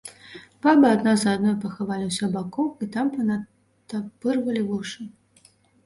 Бабы адна за адной пахаваліся ў бакоўку і там панатапырвалі вушы.